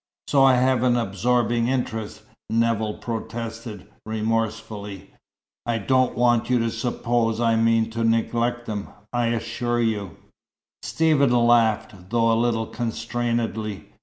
"So I have an absorbing interest," Nevill protested, remorsefully. "I don't want you to suppose I mean to neglect them. I assure you " Stephen laughed, though a little constrainedly.